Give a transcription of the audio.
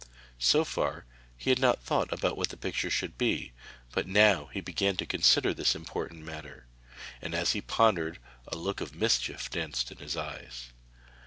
So far he had not thought what the picture should be, but now he began to consider this important matter, and as he pondered a look of mischief danced in his eyes.